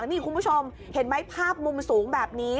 นี่คุณผู้ชมเห็นไหมภาพมุมสูงแบบนี้